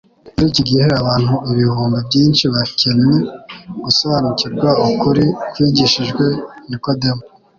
Muri iki gibe abantu ibihumbi byinshi bakencye gusobanukirwa ukuri kwigishijwe Nikodemu